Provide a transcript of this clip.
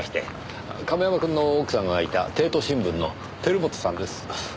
亀山くんの奥さんがいた帝都新聞の照本さんです。